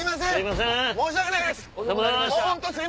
申し訳ないです